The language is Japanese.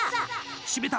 しめた！